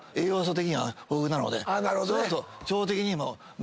そうすると。